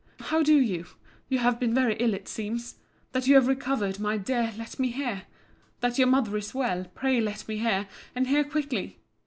How do you? You have been very ill, it seems. That you are recovered, my dear, let me hear. That your mother is well, pray let me hear, and hear quickly.